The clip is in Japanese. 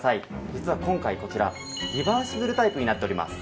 実は今回こちらリバーシブルタイプになっております。